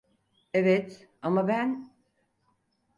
Evet, ama ben…